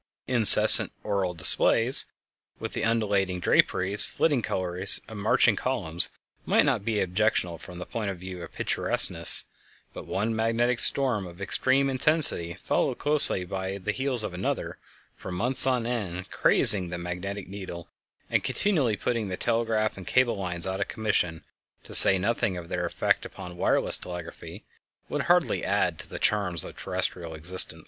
Incessant auroral displays, with their undulating draperies, flitting colors, and marching columns might not be objectionable from the point of view of picturesqueness, but one magnetic storm of extreme intensity following closely upon the heels of another, for months on end, crazing the magnetic needle and continually putting the telegraph and cable lines out of commission, to say nothing of their effect upon "wireless telegraphy", would hardly add to the charms of terrestrial existence.